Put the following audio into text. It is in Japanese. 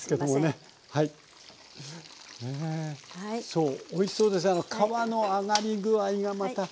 そうおいしそうですね皮の揚がり具合がまた。